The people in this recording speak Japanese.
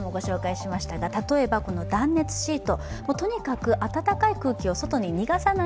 例えばこの断熱シート。